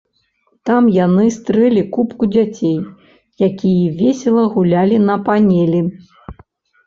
Там яны стрэлі купку дзяцей, якія весела гулялі на панелі.